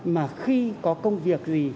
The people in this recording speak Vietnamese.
mà khi có công việc gì